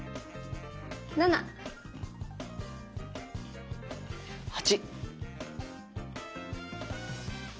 ７！８！